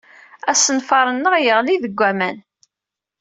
Asenfar-nneɣ yeɣli deg waman.